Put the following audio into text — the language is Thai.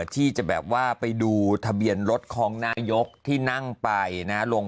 ที่จะแบบว่าไปดูทะเบียนรถของนายกที่นั่งไปนะลง